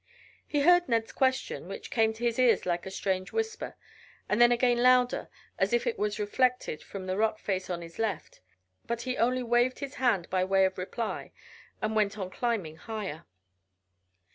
He heard Ned's question, which came to his ears like a strange whisper, and then again louder as if it was reflected from the rock face on his left; but he only waved his hand by way of reply and went on climbing higher.